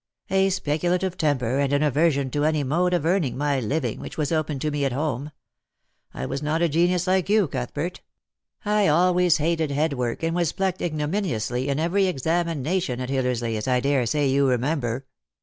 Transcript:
" A speculative temper, and an aversion to any mode of earning my living which was open to me at home. I was not a genius like you, Cuthbert. I always hated head work, and was plucked ignominiously in every examination at Hillersley, as I daresay you remember.